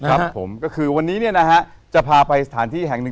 ครับผมก็คือวันนี้เนี่ยนะฮะจะพาไปสถานที่แห่งหนึ่ง